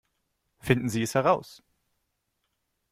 Finden Sie es heraus!